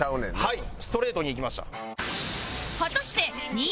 はい。